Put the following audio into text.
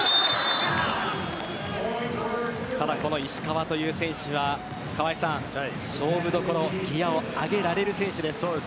ただ、この石川という選手は勝負どころギアを上げられる選手です。